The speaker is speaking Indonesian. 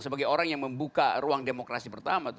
sebagai orang yang membuka ruang demokrasi pertama